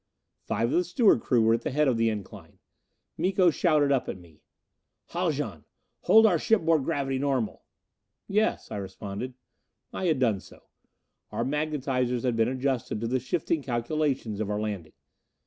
Five of the steward crew were at the head of the incline. Miko shouted up at me: "Haljan, hold our shipboard gravity normal." "Yes," I responded. I had done so. Our magnitizers had been adjusted to the shifting calculations of our landing.